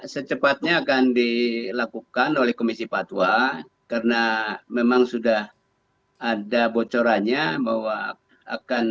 secepatnya akan dilakukan oleh komisi fatwa karena memang sudah ada bocorannya bahwa akan